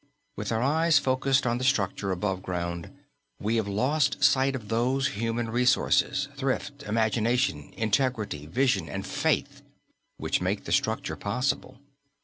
With our eyes focused on the structure above ground, we have lost sight of those human resources, thrift, imagination, integrity, vision and faith which make the structure possible.